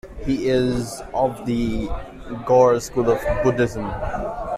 He is of the Ngor school of Buddhism.